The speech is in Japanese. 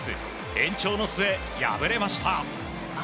延長の末、敗れました。